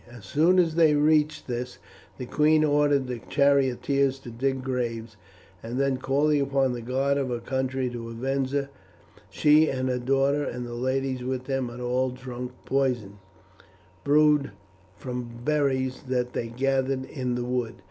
As soon as they reached this the queen ordered the charioteers to dig graves, and then calling upon the god of her country to avenge her, she and her daughters and the ladies with them had all drunk poison, brewed from berries that they gathered in the wood.